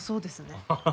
ハハハハ。